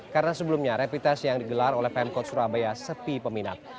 karena sebelumnya rapid test yang digelar oleh pemkot surabaya sepi peminat